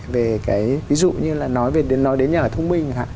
về cái ví dụ như là nói đến nhà ở thông minh